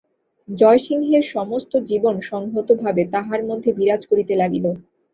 জয়সিংহের সমস্ত জীবন সংহত ভাবে তাঁহার মধ্যে বিরাজ করিতে লাগিল।